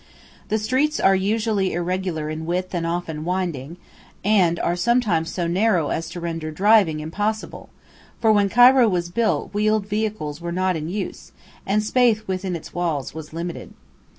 The streets are usually irregular in width and often winding, and are sometimes so narrow as to render driving impossible, for when Cairo was built wheeled vehicles were not in use, and space within its walls was limited.